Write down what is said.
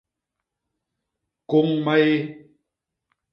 Kôñ maé.